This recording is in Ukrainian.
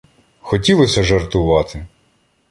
Хотілося жартувати.